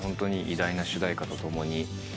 偉大な主題歌とともに。